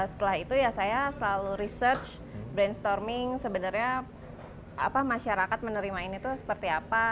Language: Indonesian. setelah itu ya saya selalu research brainstorming sebenarnya masyarakat menerima ini tuh seperti apa